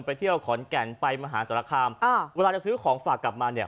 เที่ยวขอนแก่นไปมหาสารคามอ่าเวลาจะซื้อของฝากกลับมาเนี่ย